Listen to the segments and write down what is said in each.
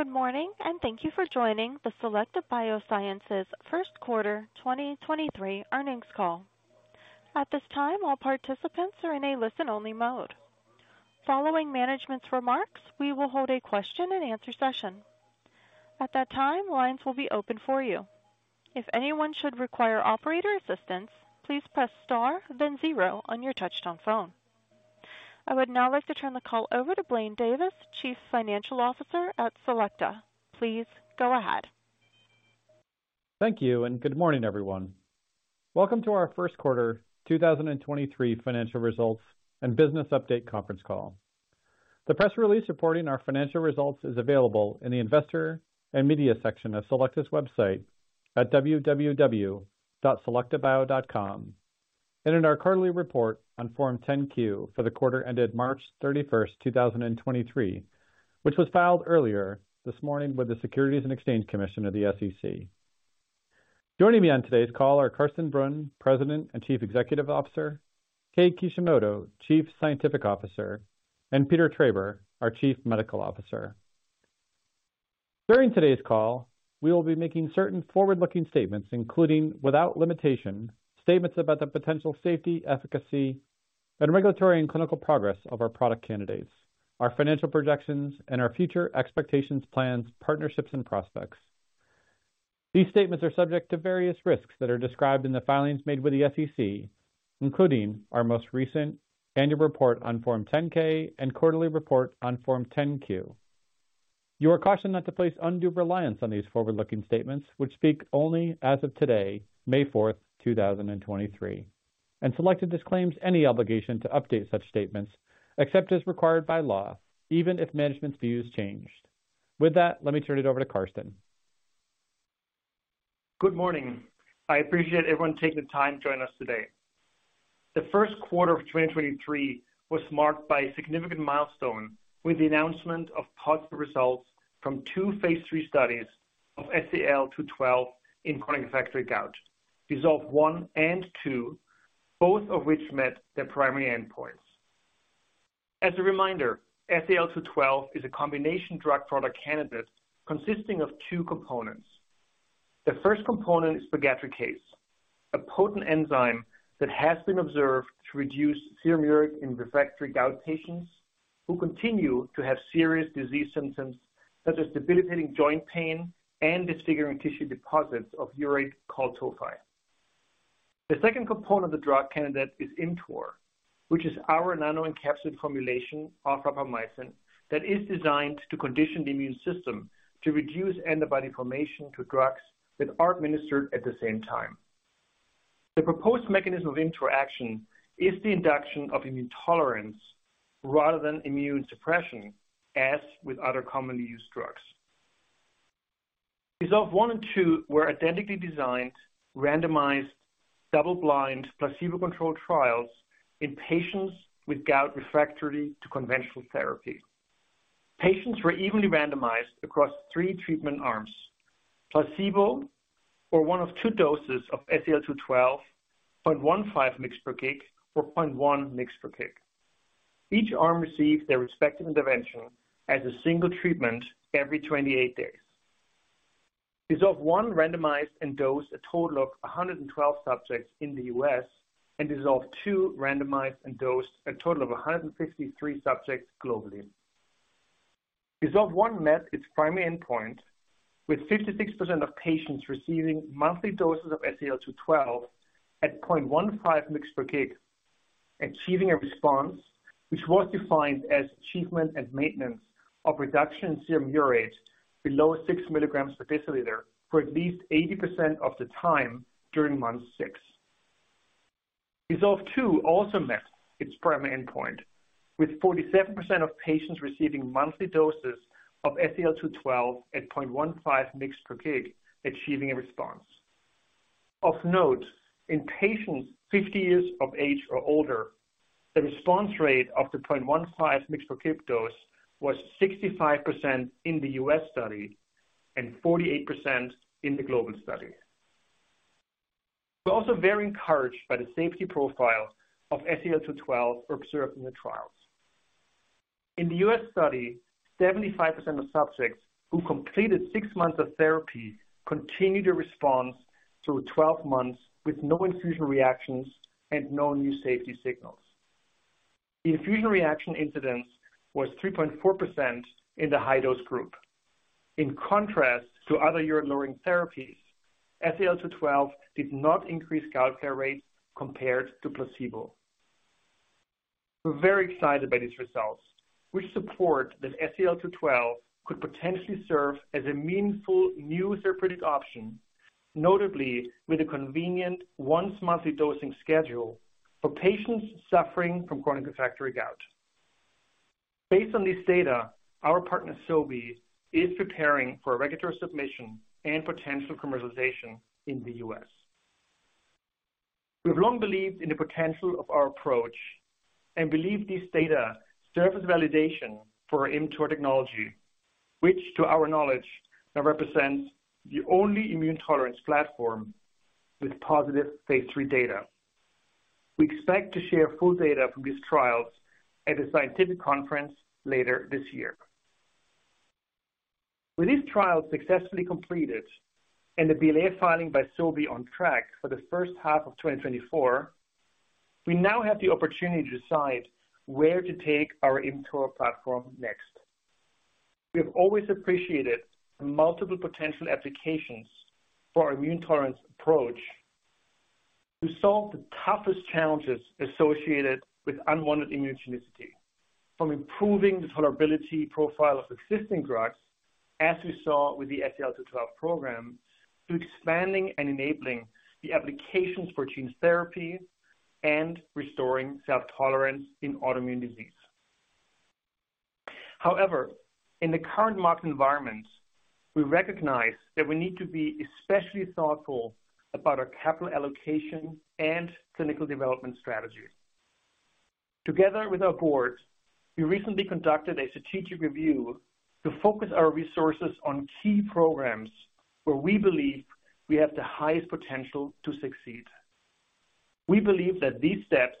Good morning, and thank you for joining the Selecta Biosciences Q1 2023 earnings call. At this time, all participants are in a listen-only mode. Following management's remarks, we will hold a question-and-answer session. At that time, lines will be open for you. If anyone should require operator assistance, please press Star then 0 on your touch-tone phone. I would now like to turn the call over to Blaine Davis, Chief Financial Officer at Selecta. Please go ahead. Thank you, and good morning, everyone. Welcome to our Q1 2023 financial results and business update conference call. The press release reporting our financial results is available in the Investor and Media section of Selecta's website at www.selectabio.com. In our quarterly report on Form 10-Q for the quarter ended March 31, 2023, which was filed earlier this morning with the Securities and Exchange Commission of the SEC. Joining me on today's call are Carsten Brunn, President and Chief Executive Officer, Kei Kishimoto, Chief Scientific Officer, and Peter Traber, our Chief Medical Officer. During today's call, we will be making certain forward-looking statements, including, without limitation, statements about the potential safety, efficacy, and regulatory and clinical progress of our product candidates, our financial projections, and our future expectations, plans, partnerships, and prospects. These statements are subject to various risks that are described in the filings made with the SEC, including our most recent annual report on Form 10-K and quarterly report on Form 10-Q. You are cautioned not to place undue reliance on these forward-looking statements, which speak only as of today, May 4, 2023. Selecta disclaims any obligation to update such statements except as required by law, even if management's views changed. With that, let me turn it over to Carsten. Good morning. I appreciate everyone taking the time to join us today. The Q1 of 2023 was marked by a significant milestone with the announcement of positive results from 2 phase III studies of SEL-212 in chronic refractory gout, DISSOLVE I and II, both of which met their primary endpoints. As a reminder, SEL-212 is a combination drug product candidate consisting of 2 components. The 1st component is pegadricase, a potent enzyme that has been observed to reduce serum urate in refractory gout patients who continue to have serious disease symptoms, such as debilitating joint pain and disfiguring tissue deposits of uric called tophi. The 2nd component of the drug candidate is ImmTOR, which is our nanoencapsulated formulation of rapamycin that is designed to condition the immune system to reduce antibody formation to drugs that are administered at the same time. The proposed mechanism of interaction is the induction of immune tolerance rather than immune suppression, as with other commonly used drugs. DISSOLVE I and II were identically designed, randomized, double-blind, placebo-controlled trials in patients with gout refractory to conventional therapy. Patients were evenly randomized across 3 treatment arms, placebo or one of 2 doses of SEL-212, 0.15 mg/kg or 0.1 mg/kg. Each arm received their respective intervention as a single treatment every 28 days. DISSOLVE I randomized and dosed a total of 112 subjects in the U.S., and DISSOLVE II randomized and dosed a total of 153 subjects globally. DISSOLVE I met its primary endpoint, with 56% of patients receiving monthly doses of SEL-212 at 0.15 mg/kg, achieving a response which was defined as achievement and maintenance of reduction in serum urate below 6 milligrams per deciliter for at least 80% of the time during month 6. DISSOLVE II also met its primary endpoint, with 47% of patients receiving monthly doses of SEL-212 at 0.15 mg/kg achieving a response. Of note, in patients 50 years of age or older, the response rate of the 0.15 mg/kg dose was 65% in the U.S. study and 48% in the global study. We're also very encouraged by the safety profile of SEL-212 observed in the trials. In the U.S. study, 75% of subjects who completed 6 months of therapy continued a response through 12 months with no infusion reactions and no new safety signals. The infusion reaction incidence was 3.4% in the high-dose group. In contrast to other urine-lowering therapies, SEL-212 did not increase gout flare rates compared to placebo. We're very excited by these results, which support that SEL-212 could potentially serve as a meaningful new therapeutic option, notably with a convenient once-monthly dosing schedule for patients suffering from chronic refractory gout. Based on this data, our partner, Sobi, is preparing for a regulatory submission and potential commercialization in the U.S. We've long believed in the potential of our approach and believe this data serve as validation for our ImmTOR technology, which to our knowledge, now represents the only immune tolerance platform with positive phase III data. We expect to share full data from these trials at a scientific conference later this year. With these trials successfully completed and the BLA filing by Sobi on track for the H1 of 2024, we now have the opportunity to decide where to take our ImmTOR platform next. We have always appreciated the multiple potential applications for immune tolerance approach to solve the toughest challenges associated with unwanted immunogenicity, from improving the tolerability profile of existing drugs, as we saw with the SEL-212 program, to expanding and enabling the applications for gene therapy and restoring self-tolerance in autoimmune disease. In the current market environment, we recognize that we need to be especially thoughtful about our capital allocation and clinical development strategy. Together with our board, we recently conducted a strategic review to focus our resources on key programs where we believe we have the highest potential to succeed. We believe that these steps,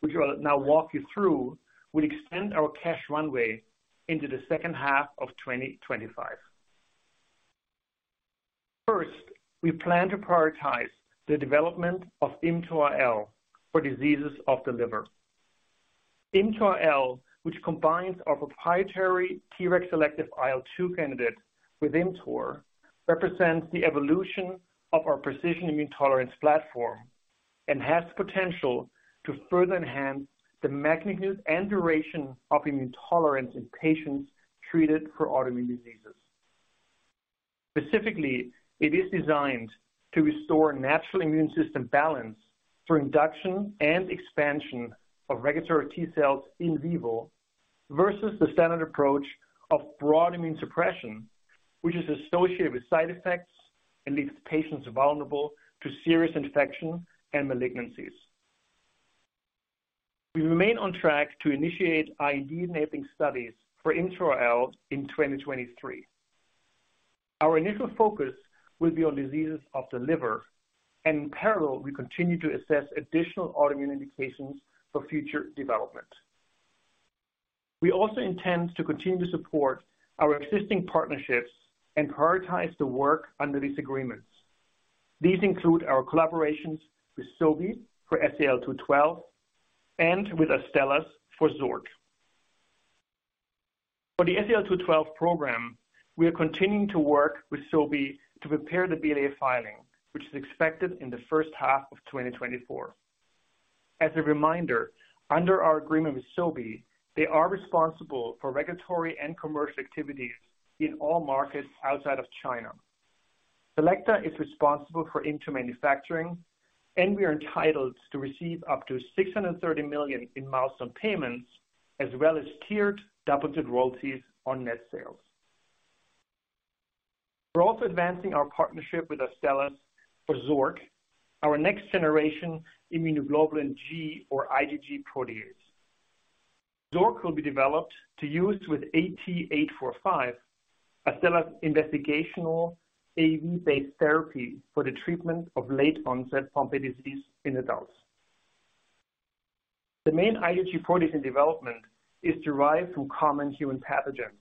which I'll now walk you through, will extend our cash runway into the H2 of 2025. We plan to prioritize the development of ImmTOR-IL for diseases of the liver. ImmTOR-IL, which combines our proprietary Treg-selective IL-2 candidate with ImmTOR, represents the evolution of our precision immune tolerance platform and has potential to further enhance the magnitude and duration of immune tolerance in patients treated for autoimmune diseases. Specifically, it is designed to restore natural immune system balance through induction and expansion of regulatory T cells in vivo, versus the standard approach of broad immune suppression, which is associated with side effects and leaves patients vulnerable to serious infection and malignancies. We remain on track to initiate IND-enabling studies for ImmTOR-IL in 2023. Our initial focus will be on diseases of the liver. In parallel, we continue to assess additional autoimmune indications for future development. We also intend to continue to support our existing partnerships and prioritize the work under these agreements. These include our collaborations with Sobi for SEL-212 and with Astellas for Xork. For the SEL-212 program, we are continuing to work with Sobi to prepare the BLA filing, which is expected in the H1 of 2024. As a reminder, under our agreement with Sobi, they are responsible for regulatory and commercial activities in all markets outside of China. Selecta is responsible for ImmTOR manufacturing, and we are entitled to receive up to $630 million in milestone payments, as well as tiered double-digit royalties on net sales. We're also advancing our partnership with Astellas for Xork, our next generation immunoglobulin G or IgG protease. Xork will be developed to use with AT845 Astellas investigational AAV-based therapy for the treatment of late onset Pompe disease in adults. The main IgG protease in development is derived from common human pathogens.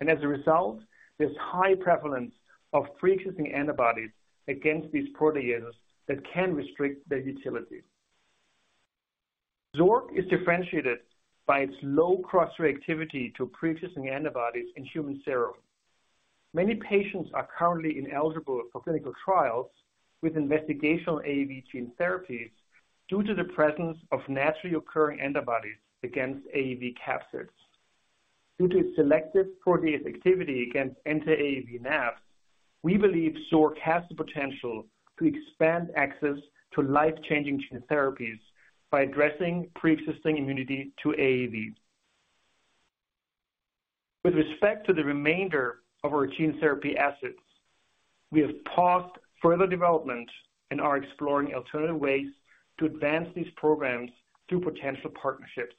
As a result, there's high prevalence of pre-existing antibodies against these proteases that can restrict their utility. Xork is differentiated by its low cross-reactivity to pre-existing antibodies in human serum. Many patients are currently ineligible for clinical trials with investigational AAV gene therapies due to the presence of naturally occurring antibodies against AAV capsids. Due to its selective protease activity against anti-AAV NAb, we believe Xork has the potential to expand access to life-changing gene therapies by addressing pre-existing immunity to AAV. With respect to the remainder of our gene therapy assets, we have paused further development and are exploring alternative ways to advance these programs through potential partnerships.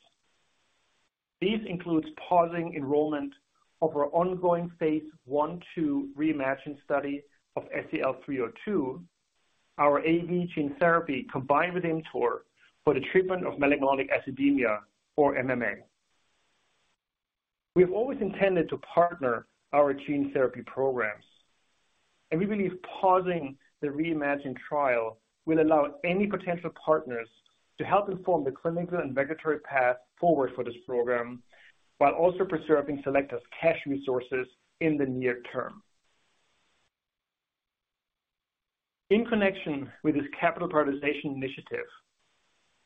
These includes pausing enrollment of our ongoing phase I/II REIMAGINE study of SEL-302, our AAV gene therapy combined with ImmTOR for the treatment of Methylmalonic acidemia or MMA. We have always intended to partner our gene therapy programs, we believe pausing the REIMAGINE trial will allow any potential partners to help inform the clinical and regulatory path forward for this program, while also preserving Selecta's cash resources in the near term. In connection with this capital prioritization initiative,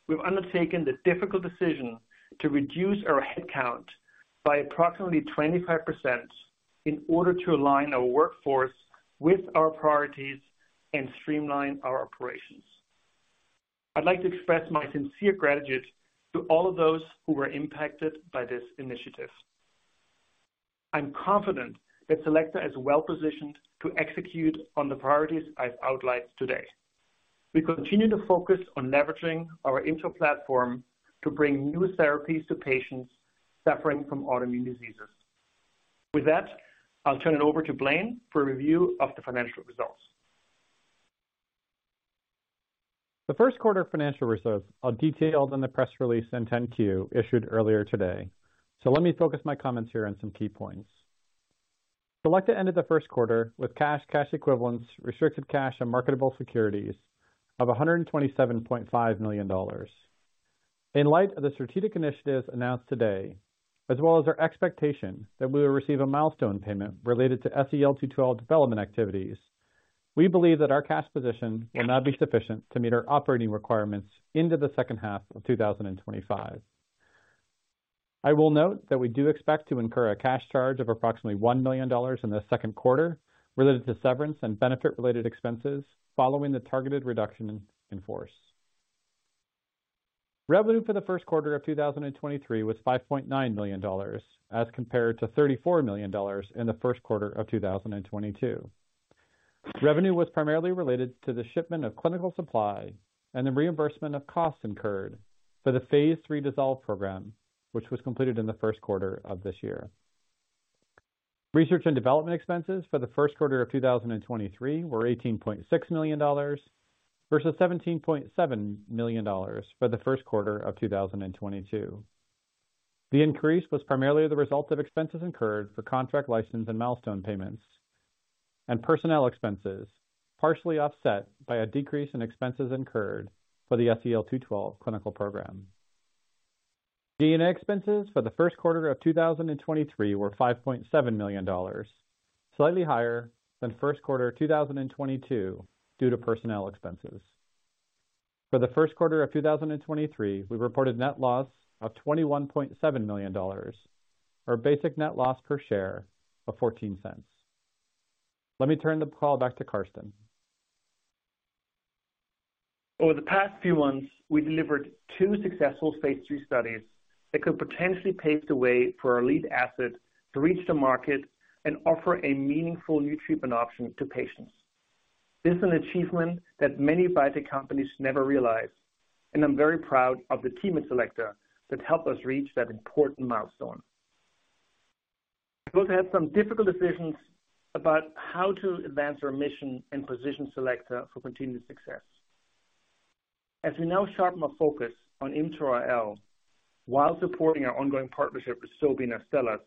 we've undertaken the difficult decision to reduce our headcount by approximately 25% in order to align our workforce with our priorities and streamline our operations. I'd like to express my sincere gratitude to all of those who were impacted by this initiative. I'm confident that Selecta is well-positioned to execute on the priorities I've outlined today. We continue to focus on leveraging our ImmTOR platform to bring new therapies to patients suffering from autoimmune diseases. That, I'll turn it over to Blaine for a review of the financial results. The Q1 financial results are detailed in the press release and Form 10-Q issued earlier today. Let me focus my comments here on some key points. Selecta ended the Q1 with cash equivalents, restricted cash and marketable securities of $127.5 million. In light of the strategic initiatives announced today, as well as our expectation that we will receive a milestone payment related to SEL-212 development activities, we believe that our cash position will now be sufficient to meet our operating requirements into the H2 of 2025. I will note that we do expect to incur a cash charge of approximately $1 million in the Q2 related to severance and benefit-related expenses following the targeted reduction in force. Revenue for the Q1 of 2023 was $5.9 million as compared to $34 million in the Q1 of 2022. Revenue was primarily related to the shipment of clinical supply and the reimbursement of costs incurred for the phase III DISSOLVE program, which was completed in the Q1 of this year. Research and development expenses for the Q1 of 2023 were $18.6 million versus $17.7 million for the Q1 of 2022. The increase was primarily the result of expenses incurred for contract license and milestone payments and personnel expenses, partially offset by a decrease in expenses incurred for the SEL-212 clinical program. G&A expenses for the Q1 of 2023 were $5.7 million, slightly higher than Q1 of 2022 due to personnel expenses. For the Q1 of 2023, we reported net loss of $21.7 million, or basic net loss per share of $0.14. Let me turn the call back to Carsten. Over the past few months, we delivered 2 successful phase III studies that could potentially pave the way for our lead asset to reach the market and offer a meaningful new treatment option to patients. This is an achievement that many biotech companies never realize, and I'm very proud of the team at Selecta that helped us reach that important milestone. We both had some difficult decisions about how to advance our mission and position Selecta for continued success. As we now sharpen our focus on ImmTOR-IL while supporting our ongoing partnership with Sobi and Astellas,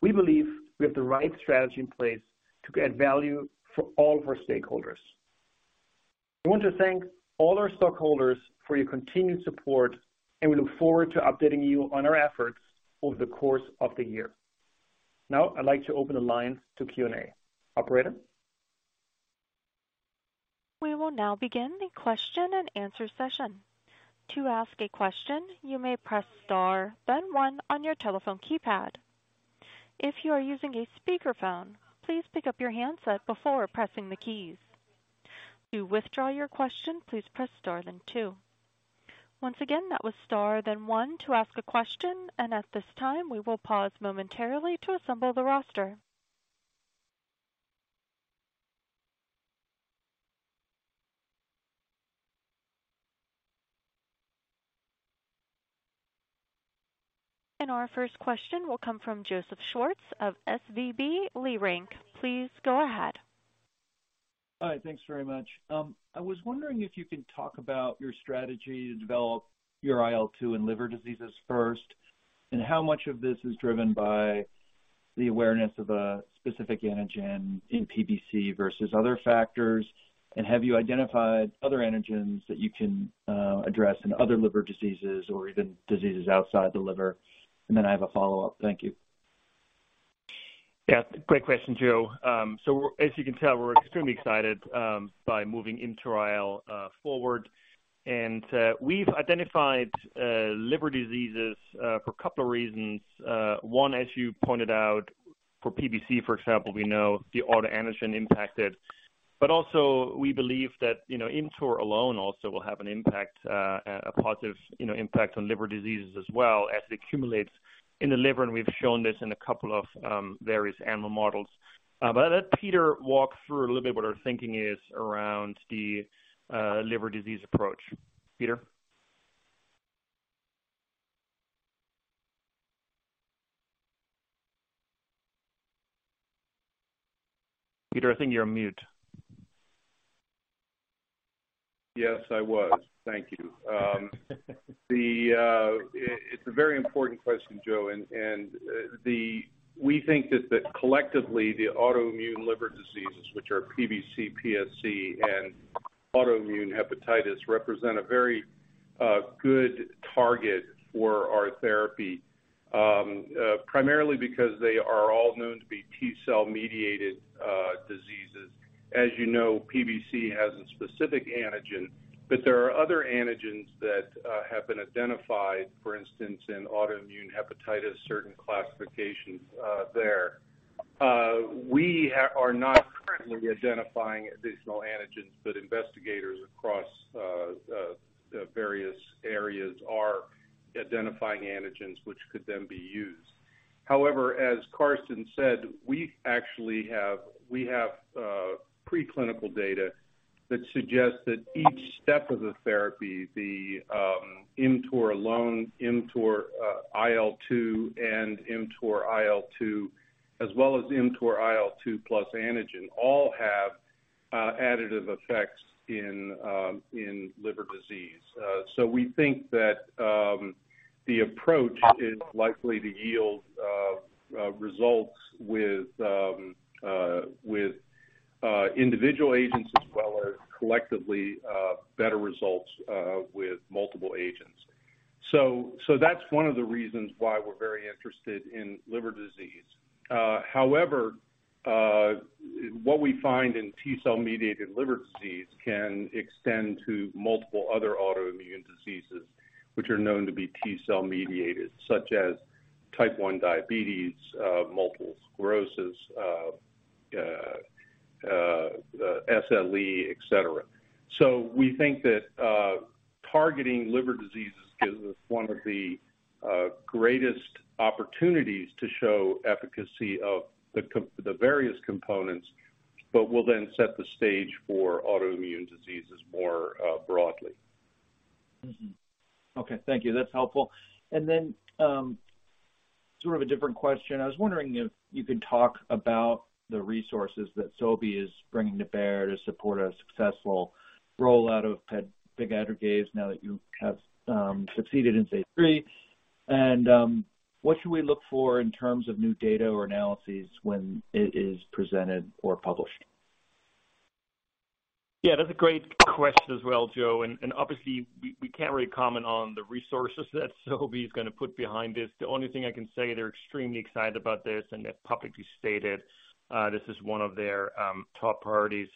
we believe we have the right strategy in place to create value for all of our stakeholders. I want to thank all our stockholders for your continued support, and we look forward to updating you on our efforts over the course of the year. Now I'd like to open the line to Q&A. Operator? We will now begin the question and answer session. To ask a question, you may press * then 1 on your telephone keypad. If you are using a speakerphone, please pick up your handset before pressing the keys. To withdraw your question, please press * then 2. Once again, that was * then 1 to ask a question, at this time, we will pause momentarily to assemble the roster. Our 1st question will come from Joseph Schwartz of SVB Leerink. Please go ahead. All right, thanks very much. I was wondering if you can talk about your strategy to develop your IL-2 in liver diseases first. How much of this is driven by the awareness of a specific antigen in PBC versus other factors? Have you identified other antigens that you can address in other liver diseases or even diseases outside the liver? I have a follow-up. Thank you. Yeah, great question, Joe. As you can tell, we're extremely excited by moving ImmTOR-IL forward. We've identified liver diseases for a couple of reasons. 1, as you pointed out, for PBC, for example, we know the autoantigen impacted, but also we believe that, you know, ImmTOR alone also will have an impact, a positive, you know, impact on liver diseases as well as it accumulates in the liver, and we've shown this in a couple of various animal models. But I'll let Peter walk through a little bit what our thinking is around the liver disease approach. Peter? Peter, I think you're on mute. Yes, I was. Thank you. It's a very important question, Joe, and We think that collectively, the autoimmune liver diseases, which are PBC, PSC, and autoimmune hepatitis, represent a very good target for our therapy, primarily because they are all known to be T-cell mediated diseases. As you know, PBC has a specific antigen, but there are other antigens that have been identified, for instance, in autoimmune hepatitis, certain classifications there. We are not currently identifying additional antigens, but investigators across various areas are identifying antigens which could then be used. However, as Carsten said, we actually have Preclinical data that suggests that each step of the therapy, the ImmTOR alone, ImmTOR IL-2, and ImmTOR IL-2, as well as ImmTOR IL-2 plus antigen, all have additive effects in liver disease. We think that the approach is likely to yield results with individual agents as well as collectively better results with multiple agents. That's one of the reasons why we're very interested in liver disease. However, what we find in T-cell mediated liver disease can extend to multiple other autoimmune diseases which are known to be T-cell mediated, such as type 1 diabetes, multiple sclerosis, SLE, et cetera. We think that targeting liver diseases gives us one of the greatest opportunities to show efficacy of the various components, but will then set the stage for autoimmune diseases more broadly. Okay. Thank you. That's helpful. Sort of a different question. I was wondering if you could talk about the resources that Sobi is bringing to bear to support a successful rollout of pegadricase now that you have succeeded in phase III. What should we look for in terms of new data or analyses when it is presented or published? Yeah, that's a great question as well, Joe. Obviously we can't really comment on the resources that Sobi is gonna put behind this. The only thing I can say, they're extremely excited about this, and they've publicly stated this is one of their top priorities.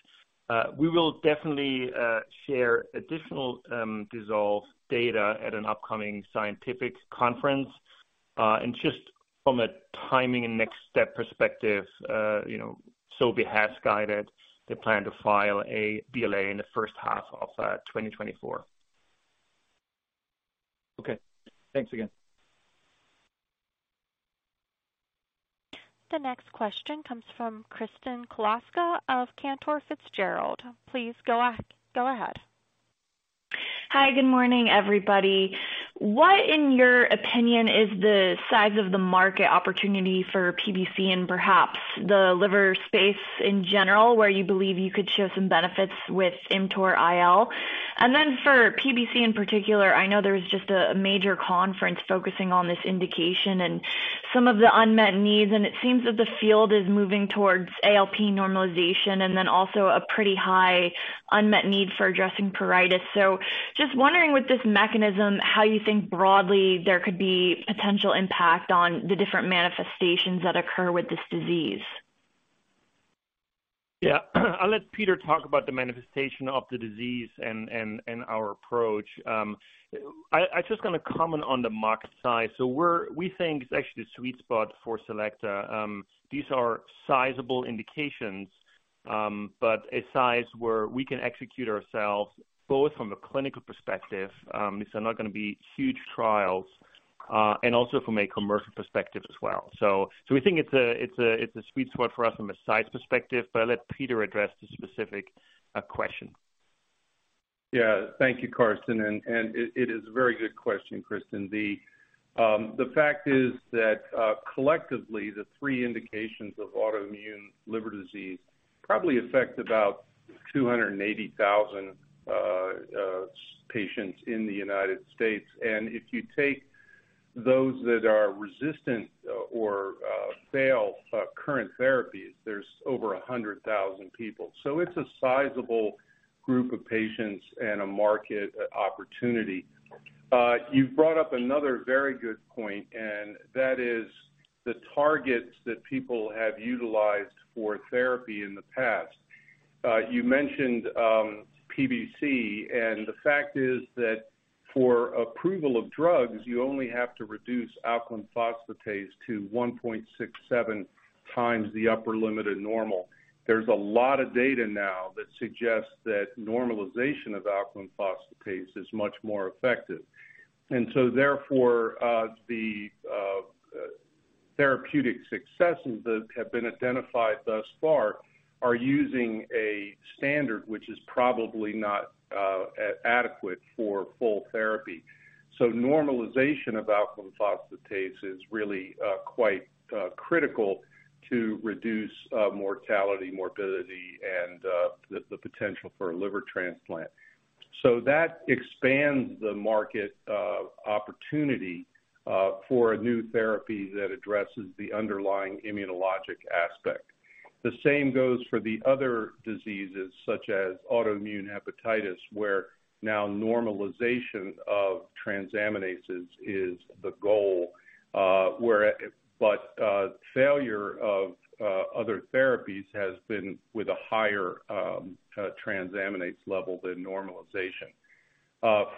We will definitely share additional DISSOLVE data at an upcoming scientific conference. Just from a timing and next step perspective, you know, Sobi has guided the plan to file a BLA in the H1 of 2024. Okay. Thanks again. The next question comes from Kristen Kluska of Cantor Fitzgerald. Please go ahead. Hi. Good morning, everybody. What, in your opinion, is the size of the market opportunity for PBC and perhaps the liver space in general, where you believe you could show some benefits with ImmTOR-IL? Then for PBC in particular, I know there was just a major conference focusing on this indication and some of the unmet needs, and it seems that the field is moving towards ALP normalization and then also a pretty high unmet need for addressing pruritus. Just wondering with this mechanism, how you think broadly there could be potential impact on the different manifestations that occur with this disease? Yeah. I'll let Peter talk about the manifestation of the disease and our approach. I just gonna comment on the market size. We think it's actually a sweet spot for Selecta. These are sizable indications, but a size where we can execute ourselves both from a clinical perspective, these are not gonna be huge trials, and also from a commercial perspective as well. We think it's a sweet spot for us from a size perspective, but I'll let Peter address the specific question. Thank you, Carsten. It is a very good question, Kristen. The fact is that collectively, the 3 indications of autoimmune liver disease probably affect about 280,000 patients in the United States. If you take those that are resistant or fail current therapies, there's over 100,000 people. It's a sizable group of patients and a market opportunity. You've brought up another very good point, and that is the targets that people have utilized for therapy in the past. You mentioned PBC, the fact is that for approval of drugs, you only have to reduce alkaline phosphatase to 1.67 times the upper limit of normal. There's a lot of data now that suggests that normalization of alkaline phosphatase is much more effective. Therefore, the therapeutic successes that have been identified thus far are using a standard which is probably not adequate for full therapy. Normalization of alkaline phosphatase is really quite critical to reduce mortality, morbidity, and the potential for a liver transplant. That expands the market opportunity for a new therapy that addresses the underlying immunologic aspect. The same goes for the other diseases such as autoimmune hepatitis, where now normalization of transaminases is the goal, but failure of other therapies has been with a higher transaminase level than normalization.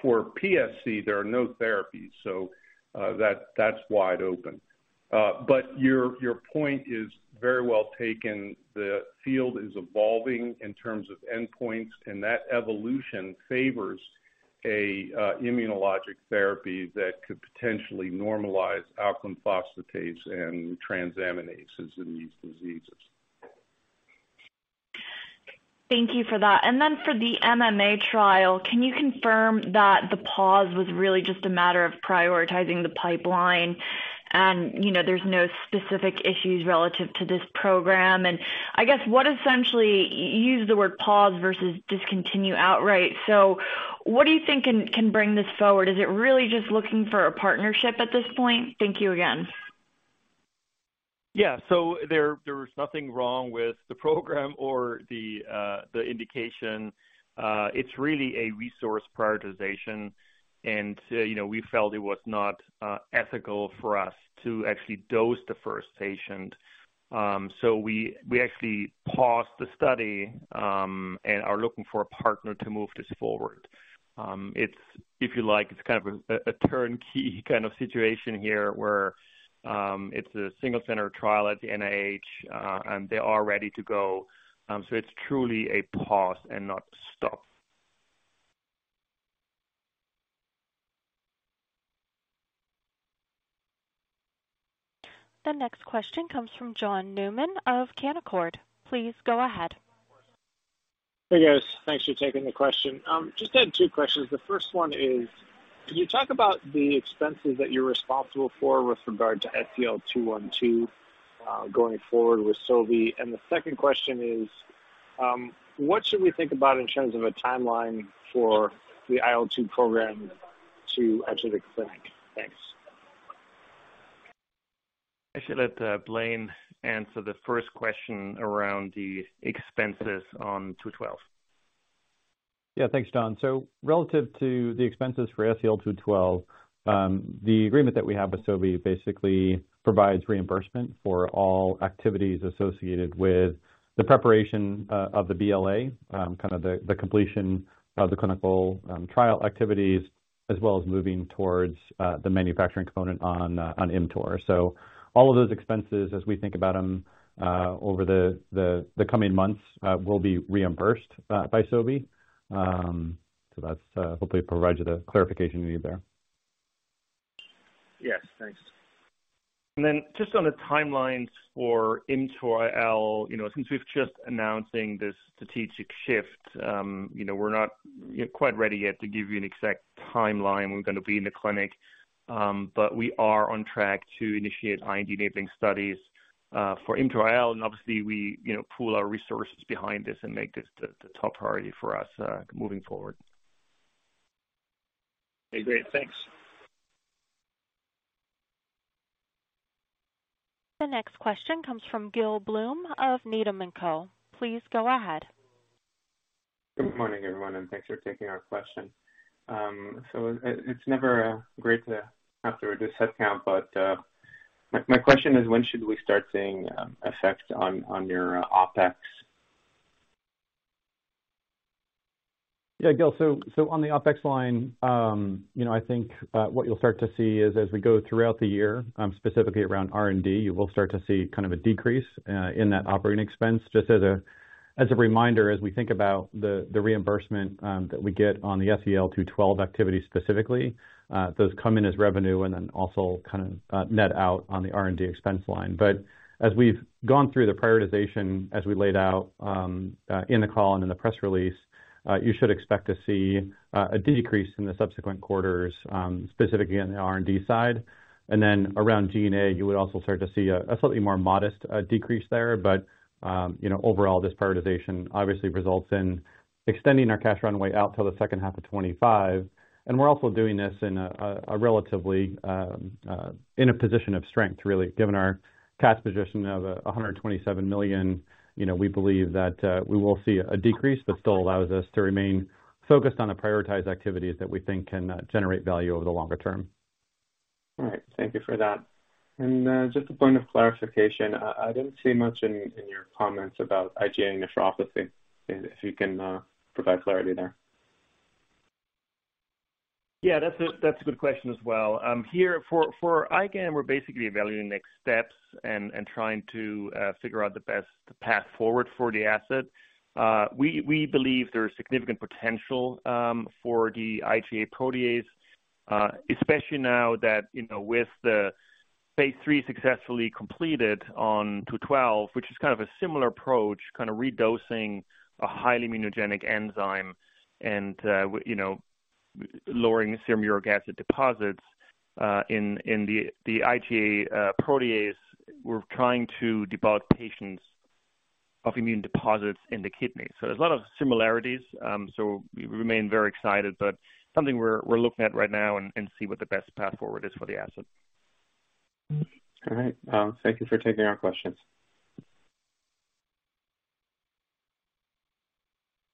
For PSC, there are no therapies, that's wide open. But your point is very well taken. The field is evolving in terms of endpoints, and that evolution favors. A immunologic therapy that could potentially normalize alkaline phosphatase and transaminases in these diseases. Thank you for that. For the MMA trial, can you confirm that the pause was really just a matter of prioritizing the pipeline and, you know, there's no specific issues relative to this program? I guess what essentially, you used the word pause versus discontinue outright. What do you think can bring this forward? Is it really just looking for a partnership at this point? Thank you again. Yeah. There was nothing wrong with the program or the indication. It's really a resource prioritization. You know, we felt it was not ethical for us to actually dose the 1st patient. We actually paused the study and are looking for a partner to move this forward. It's... If you like, it's kind of a turnkey kind of situation here, where it's a single center trial at the NIH, and they are ready to go. It's truly a pause and not stop. The next question comes from John Newman of Canaccord. Please go ahead. Hey, guys. Thanks for taking the question. Just had 2 questions. The first one is, can you talk about the expenses that you're responsible for with regard to SEL-212 going forward with Sobi? The second question is, what should we think about in terms of a timeline for the IL-2 program to actually the clinic? Thanks. I should let Blaine answer the first question around the expenses on SEL-212. Yeah. Thanks, John. Relative to the expenses for SEL-212, the agreement that we have with Sobi basically provides reimbursement for all activities associated with the preparation of the BLA, kind of the completion of the clinical trial activities as well as moving towards the manufacturing component on ImmTOR. All of those expenses as we think about them over the coming months will be reimbursed by Sobi. That's hopefully provides you the clarification you need there. Yes, thanks. Just on the timelines for ImmTOR-IL, you know, since we've just announcing this strategic shift, we're not yet quite ready yet to give you an exact timeline we're gonna be in the clinic. We are on track to initiate IND-enabling studies for ImmTOR-IL. Obviously we pool our resources behind this and make this the top priority for us moving forward. Okay, great. Thanks. The next question comes from Gil Blum of Needham & Company. Please go ahead. Good morning, everyone, and thanks for taking our question. It's never great to have to reduce headcount, but my question is, when should we start seeing effects on your OpEx? Yeah. Gil, so on the OpEx line, you know, I think what you'll start to see is as we go throughout the year, specifically around R&D, you will start to see kind of a decrease in that operating expense. Just as a reminder, as we think about the reimbursement that we get on the SEL-212 activity specifically, those come in as revenue and then also kind of net out on the R&D expense line. As we've gone through the prioritization, as we laid out in the call and in the press release, you should expect to see a decrease in the subsequent quarters, specifically in the R&D side. Then around G&A, you would also start to see a slightly more modest decrease there. You know, overall, this prioritization obviously results in extending our cash runway out till the H2 of 2025. We're also doing this in a relatively in a position of strength really. Given our cash position of $127 million, you know, we believe that we will see a decrease that still allows us to remain focused on the prioritized activities that we think can generate value over the longer term. All right. Thank you for that. Just a point of clarification. I didn't see much in your comments about IgA nephropathy, if you can provide clarity there. Yeah, that's a, that's a good question as well. Here, for IgA, we're basically evaluating next steps and trying to figure out the best path forward for the asset. We believe there's significant potential for the IgA protease, especially now that, you know, with the phase III successfully completed on 212, which is kind of a similar approach, kind of redosing a highly immunogenic enzyme and, you know, lowering serum uric acid deposits in the IgA protease. We're trying to debug patients of immune deposits in the kidneys. There's a lot of similarities. We remain very excited, but something we're looking at right now and see what the best path forward is for the asset. All right. Thank you for taking our questions.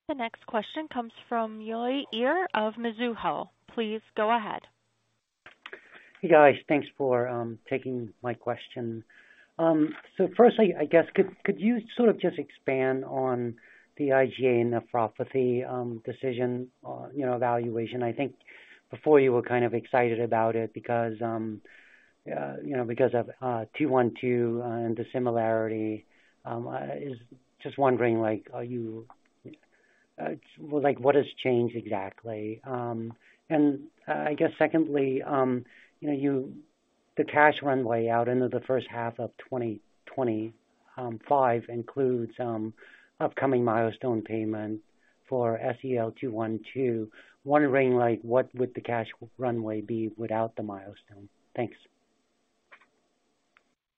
The next question comes from Uy Ear of Mizuho. Please go ahead. Hey, guys. Thanks for taking my question. firstly, I guess could you sort of just expand on the IgA nephropathy decision, you know, evaluation? Before you were kind of excited about it because, you know, because of 212 and the similarity. just wondering like, are you like what has changed exactly? I guess secondly, you know, the cash runway out into the H1 of 2025 includes upcoming milestone payments for SEL-212. Wondering like, what would the cash runway be without the milestone? Thanks.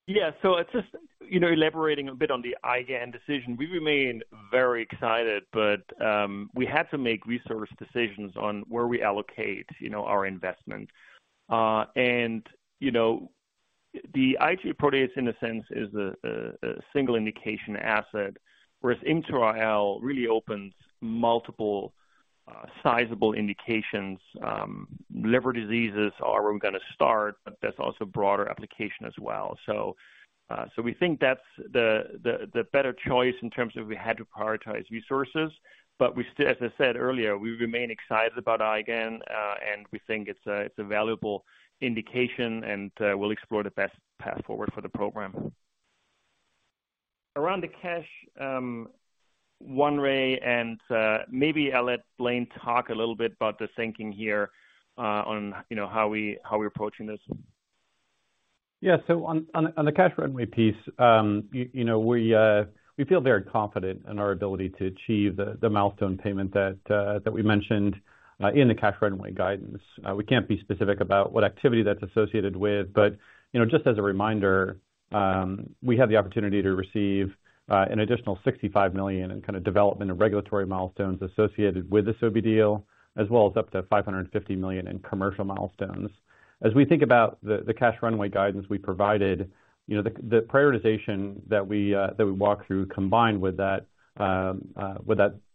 Yeah. It's just, you know, elaborating a bit on the IgAN decision. We remain very excited, but we had to make resource decisions on where we allocate, you know, our investment. You know, the IgA protease in a sense is a single indication asset, whereas ImmTOR-IL really opens multiple sizable indications. Liver diseases are where we're gonna start, but there's also broader application as well. We think that's the better choice in terms of we had to prioritize resources. We still, as I said earlier, we remain excited about IgAN, and we think it's a valuable indication and we'll explore the best path forward for the program. Around the cash, 1 way and, maybe I'll let Blaine talk a little bit about the thinking here, on, you know, how we, how we're approaching this. On the cash runway piece, you know, we feel very confident in our ability to achieve the milestone payment that we mentioned in the cash runway guidance. We can't be specific about what activity that's associated with. You know, just as a reminder, we have the opportunity to receive an additional $65 million in kind of development and regulatory milestones associated with the Sobi deal, as well as up to $550 million in commercial milestones. As we think about the cash runway guidance we provided, you know, the prioritization that we walk through combined with that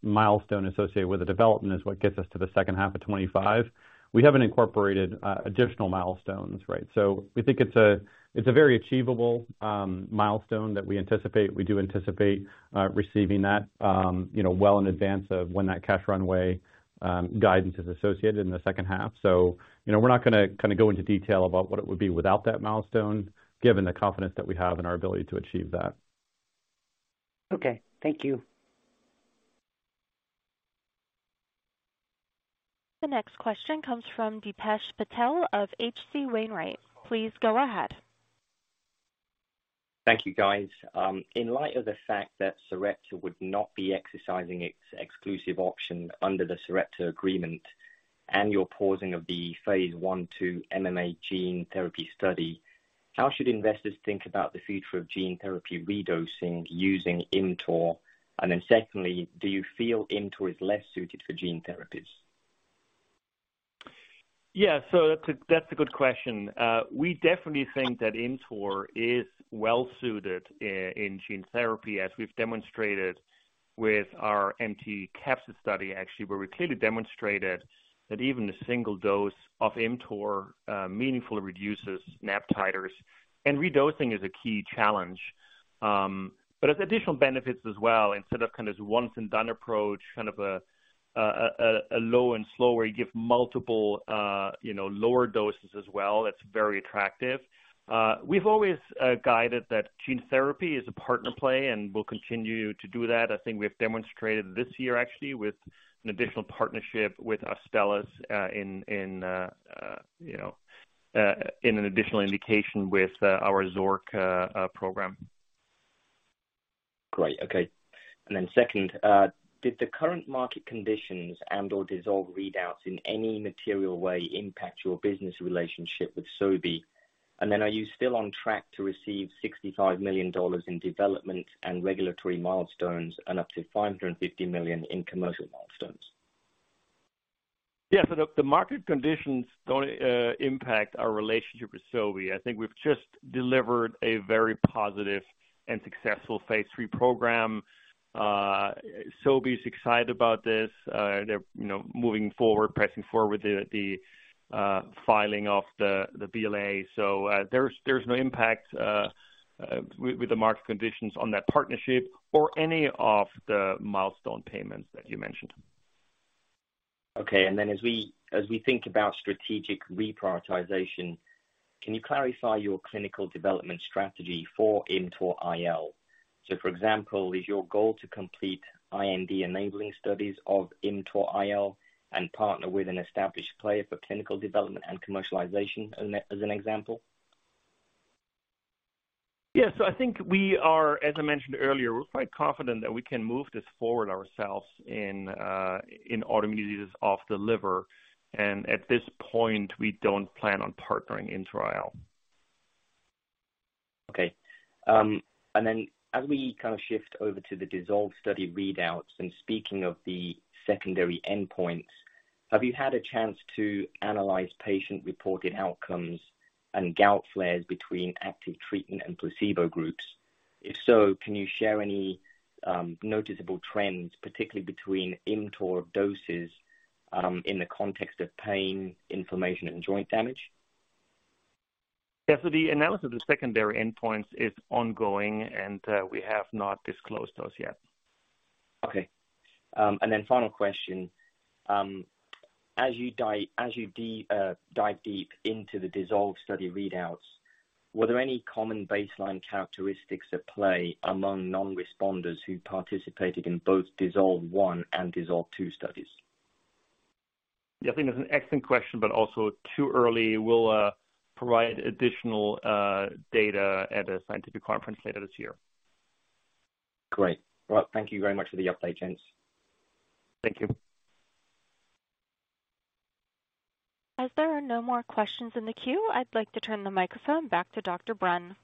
milestone associated with the development is what gets us to the H2 of 2025. We haven't incorporated additional milestones, right? We think it's a very achievable milestone that we anticipate. We do anticipate receiving that, you know, well in advance of when that cash runway guidance is associated in the H2. You know, we're not gonna kinda go into detail about what it would be without that milestone, given the confidence that we have in our ability to achieve that. Okay. Thank you. The next question comes from Dipesh Patel of H.C. Wainwright. Please go ahead. Thank you, guys. In light of the fact that Sarepta would not be exercising its exclusive option under the Sarepta agreement and your pausing of the phase I/II MMA gene therapy study, how should investors think about the future of gene therapy redosing using ImmTOR? Secondly, do you feel ImmTOR is less suited for gene therapies? Yeah. That's a good question. We definitely think that ImmTOR is well suited in gene therapy, as we've demonstrated with our NT capsids study, actually, where we clearly demonstrated that even a single dose of ImmTOR meaningfully reduces NAb titers and redosing is a key challenge. There's additional benefits as well, instead of kind of this once and done approach, kind of a low and slow where you give multiple, you know, lower doses as well. That's very attractive. We've always guided that gene therapy is a partner play, and we'll continue to do that. I think we've demonstrated this year actually with an additional partnership with Astellas, in, you know, in an additional indication with our Xork program. Great. Okay. Second, did the current market conditions and/or DISSOLVE readouts in any material way impact your business relationship with Sobi? Are you still on track to receive $65 million in development and regulatory milestones and up to $550 million in commercial milestones? Yeah. The market conditions don't impact our relationship with Sobi. I think we've just delivered a very positive and successful phase III program. Sobi's excited about this. They're, you know, moving forward, pressing forward with the filing of the BLA. There's no impact with the market conditions on that partnership or any of the milestone payments that you mentioned. Okay. As we think about strategic reprioritization, can you clarify your clinical development strategy for ImmTOR-IL? For example, is your goal to complete IND-enabling studies of ImmTOR-IL and partner with an established player for clinical development and commercialization as an example? Yeah. As I mentioned earlier, we're quite confident that we can move this forward ourselves in autoimmune diseases of the liver. At this point, we don't plan on partnering ImmTOR-IL. Okay. As we kind of shift over to the DISSOLVE study readouts and speaking of the secondary endpoints, have you had a chance to analyze patient-reported outcomes and gout flares between active treatment and placebo groups? If so, can you share any noticeable trends, particularly between ImmTOR doses, in the context of pain, inflammation, and joint damage? Yeah. The analysis of secondary endpoints is ongoing, and we have not disclosed those yet. Okay. Final question. dive deep into the DISSOLVE study readouts, were there any common baseline characteristics at play among non-responders who participated in both DISSOLVE I and DISSOLVE II studies? I think that's an excellent question, but also too early. We'll provide additional data at a scientific conference later this year. Great. Well, thank you very much for the update, gents. Thank you. As there are no more questions in the queue, I'd like to turn the microphone back to Carsten Brunn.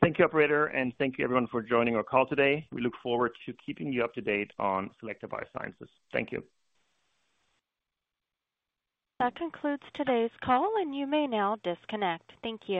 Thank you, operator, and thank you everyone for joining our call today. We look forward to keeping you up to date on Selecta Biosciences. Thank you. That concludes today's call. You may now disconnect. Thank you.